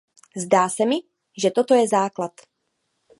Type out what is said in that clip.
Zdá se mi, že toto je základ.